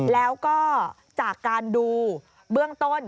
แล้วก็จากการดูเบื้องต้น